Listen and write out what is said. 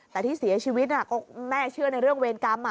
แต่ที่เสียชีวิตก็แม่เชื่อในเรื่องเวรกรรม